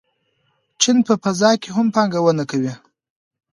چین په فضا کې هم پانګونه کوي.